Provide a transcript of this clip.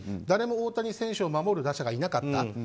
誰も大谷選手を守る打者がいなかった。